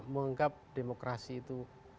menganggap demokrasi itu